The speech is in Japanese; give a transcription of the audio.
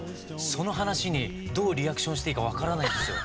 その話にどうリアクションしていいか分からないんですよ。